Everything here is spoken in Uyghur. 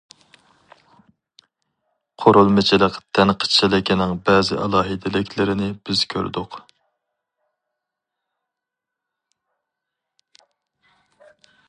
قۇرۇلمىچىلىق تەنقىدچىلىكىنىڭ بەزى ئالاھىدىلىكلىرىنى بىز كۆردۇق.